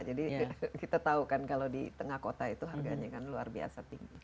jadi kita tahu kan kalau di tengah kota itu harganya kan luar biasa tinggi